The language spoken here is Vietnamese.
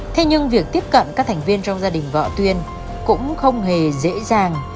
thế nhưng việc tiếp cận các thành viên trong gia đình vợ tuyên cũng không hề dễ dàng